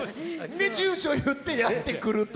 で、住所言って、やって来ると。